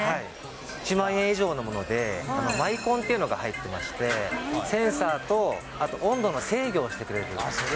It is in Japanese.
１万円以上のもので、マイコンというのが入ってまして、センサーと、あと温度の制御をしてくれる。